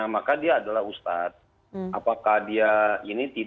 maka dia adalah ustadz